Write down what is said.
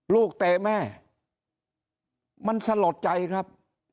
เตะแม่มันสลดใจครับ